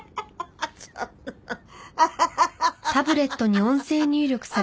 アハハハハ！